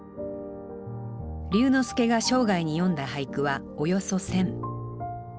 龍之介が生涯に詠んだ俳句はおよそ１，０００。